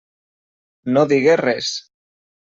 No digué res.